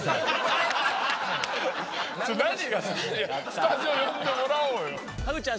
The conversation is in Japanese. スタジオ呼んでもらおうよ。